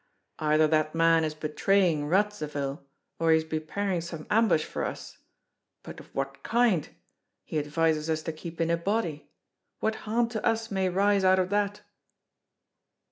"Either that man is betraying Radzivill, or he is preparing some ambush for us. But of what kind? He advises us to keep in a body. What harm to us may rise out of that?"